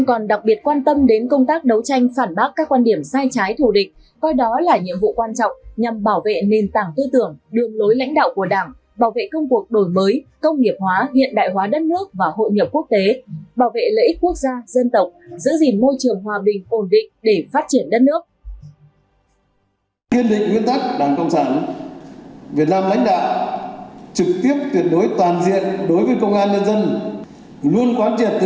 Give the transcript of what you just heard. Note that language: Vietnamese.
còn đặc biệt quan tâm đến công tác đấu tranh phản bác các quan điểm sai trái thủ địch coi đó là nhiệm vụ quan trọng nhằm bảo vệ nền tảng tư tưởng đường lối lãnh đạo của đảng bảo vệ công cuộc đổi mới công nghiệp hóa hiện đại hóa đất nước và hội nghiệp quốc tế bảo vệ lợi ích quốc gia dân tộc giữ gìn môi trường hòa bình ổn định để phát triển đất nước